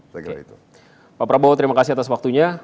pak prabowo terima kasih atas waktunya